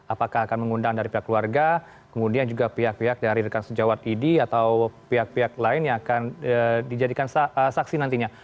apakah akan mengundang dari pihak keluarga kemudian juga pihak pihak dari rekan sejawat idi atau pihak pihak lain yang akan dijadikan saksi nantinya